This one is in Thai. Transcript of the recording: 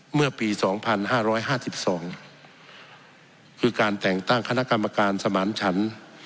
เมื่อปีสองพันห้าร้อยห้าสิบสองคือการแต่งตั้งคณะกรรมการสมานฉัน